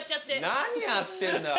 何やってんだ？